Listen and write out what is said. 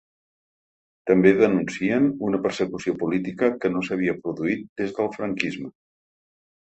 També denuncien una persecució política que no s’havia produït des del franquisme.